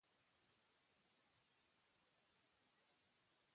Deklarazio batek zeresan handia eman du.